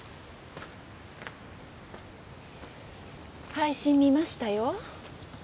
配信見ましたよ